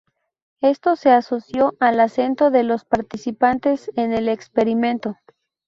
Esto se asoció al acento de los participantes en el experimento.